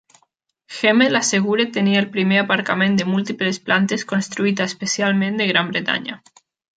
Hemel assegura tenir el primer aparcament de múltiples plantes construït especialment de Gran Bretanya.